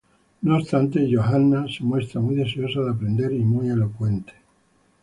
No obstante Johanna se muestra muy deseosa de aprender y muy elocuente.